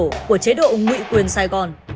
không chấp nhận sự sụp đổ của chế độ ngụy quyền sài gòn